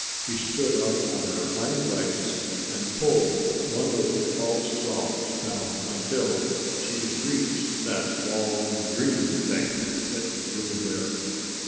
She stood up on her hind legs and pulled one of the tall stalks down until she could reach that long, green thing that grew there.